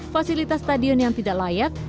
fasilitas stadion yang tidak layak